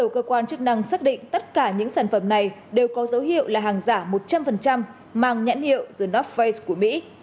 cơ quan chức năng xác định tất cả những sản phẩm này đều có dấu hiệu là hàng giả một trăm linh mang nhãn hiệu the nofface của mỹ